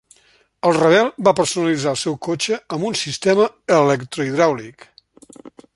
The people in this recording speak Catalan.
El rebel va personalitzar el seu cotxe amb un sistema electrohidràulic.